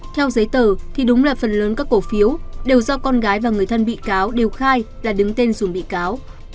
theo giấy tờ thì đúng là phần lớn các cổ phiếu đều do con gái và người thân bị cáo đều khai là đứng tên dùng bị cáo